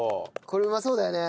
これうまそうだよね。